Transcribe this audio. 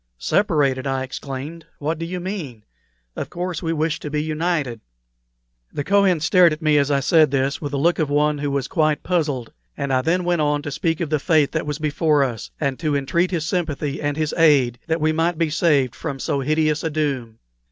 "Separated!" I exclaimed. "What do you mean? Of course we wish to be united." The Kohen stared at me as I said this with the look of one who was quite puzzled; and I then went on to speak of the fate that was before us, and to entreat his sympathy and his aid that we might be saved from so hideous a doom.